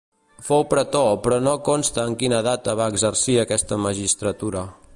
Fou pretor, però no consta en quina data va exercir aquesta magistratura.